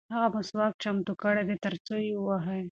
هغه مسواک چمتو کړی دی ترڅو یې ووهي.